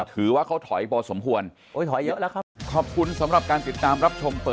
ถือว่าเขาถอยบอสมควร